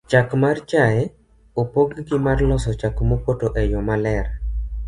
chak mar chae opog gi mar loso chak mopoto e yo maler